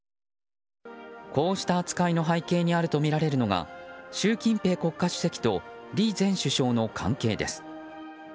こうした扱いの背景にあるとみられるのが習近平国家主席と李前首相の関係です。